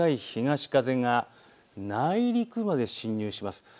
東風が内陸部まで進入します。